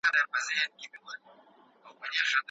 که په ناخبري کي ناوړه مجلس ته ورسئ، نو بيرته ځني ووځئ.